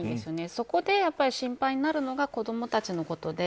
そこで心配になるのが子どもたちのことで